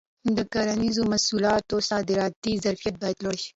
د کرنیزو محصولاتو صادراتي ظرفیت باید لوړ شي.